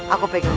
aku pegang janji